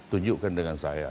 tunjukkan dengan saya